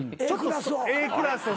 Ａクラスを？